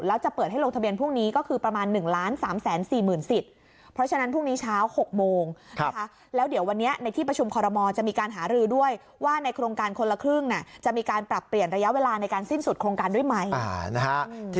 แล้วจะเปิดให้ลงทะเบียนพรุ่งนี้ก็คือประมาณ๑๓๔๐๐๐สิทธิ์